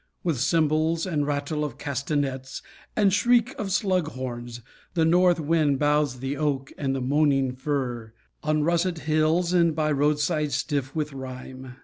With cymbals and rattle of castanets, And shriek of slug horns, the North Wind Bows the oak and the moaning fir, On russet hills and by roadsides stiff with rime.